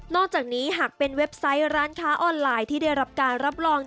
อกจากนี้หากเป็นเว็บไซต์ร้านค้าออนไลน์ที่ได้รับการรับรอง